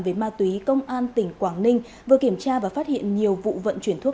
về ma túy công an tỉnh quảng ninh vừa kiểm tra và phát hiện nhiều vụ vận chuyển thuốc